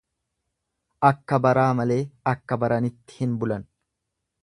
Akka baraa malee akka baranitti hin bulan.